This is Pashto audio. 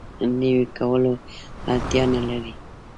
نوی کولو اړتیا نه لري.